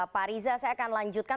pak riza saya akan lanjutkan